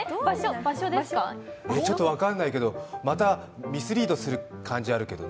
ちょっと分かんないけど、またミスリードする形になるけど。